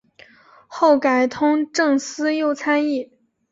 后改通政司右参议。